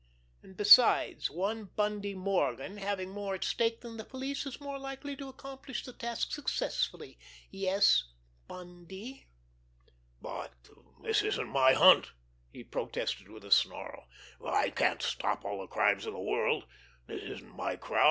And, besides, one Bundy Morgan, having more at stake than the police, is more likely to accomplish the task successfully. Yes—Bundy?" "But this isn't my hunt!" he protested, with a snarl. "I can't stop all the crimes in the world! This isn't my crowd!